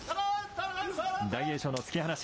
大栄翔の突き放し。